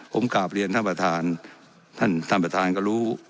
ผมกลับเรียนท่านประธานท่านท่านประธานก็รู้